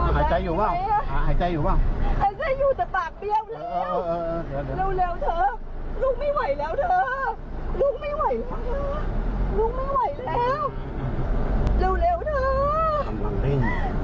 ประวันยังจนให้ดี